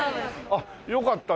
あっよかったね。